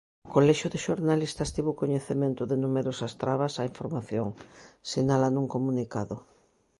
O Colexio de Xornalistas tivo coñecemento de numerosas trabas á información, sinala nun comunicado.